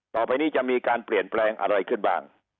ต่อไปนี้จะมีการเปลี่ยนแปลงอะไรขึ้นบ้าง